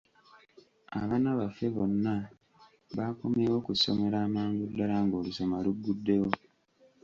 Abaana baffe bonna baakomyewo ku ssomero amangu ddala ng'olusoma lugguddewo.